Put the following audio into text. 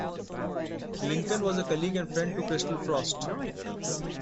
Lincoln was a colleague and friend to Crystal Frost.